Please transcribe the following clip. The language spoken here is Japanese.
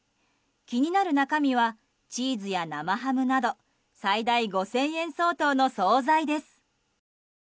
気になる中身はチーズや生ハムなど最大５０００円相当の総菜です。